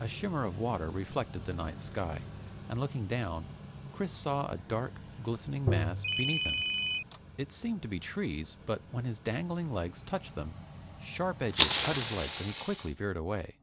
A shimmer of water reflected the night sky, and looking down, Chris saw a dark, glistening mass beneath him. It seemed to be trees, but when his dangling legs touched them, sharp edges cut his legs and he quickly veered away.